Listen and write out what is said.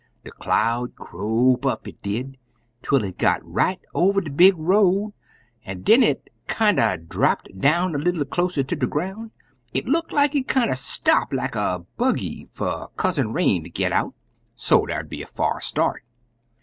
De cloud crope up, it did, twel it got right over de big road, an' den it kinder drapped down a leetle closer ter de groun'. It look like it kinder stop, like a buggy, fer Cousin Rain ter git out, so der'd be a fa'r start.